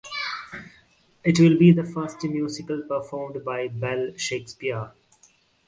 It will be the first musical performed by Bell Shakespeare.